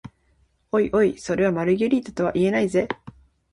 おいおい、それはマルゲリータとは言えないぜ？